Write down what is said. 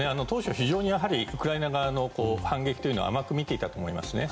当初、非常にウクライナ側の反撃を甘く見ていたと思います。